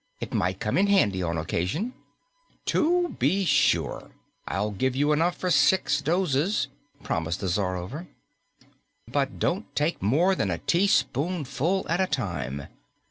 It might come in handy on occasion." "To be sure. I'll give you enough for six doses," promised the Czarover. "But don't take more than a teaspoonful at a time.